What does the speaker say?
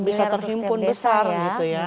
bisa terhimpun besar gitu ya